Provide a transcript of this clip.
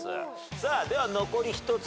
さあでは残り１つ。